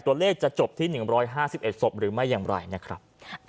ตัวเลขจะจบที่๑๕๑ศพหรือไม่อย่างไรนะครับ